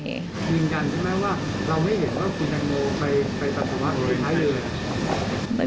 ยืนยันใช่ไหมว่าเราไม่เห็นว่าคุณแตงโมไปปัสสาวะโดยใช้เลย